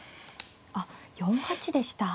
あっ４八でした。